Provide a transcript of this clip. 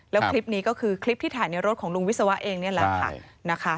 แล้วคลิปนี้ก็คือคลิปที่ถ่ายในรถของลุงวิศวะเองนี่แหละค่ะนะคะ